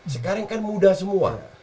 sekarang kan muda semua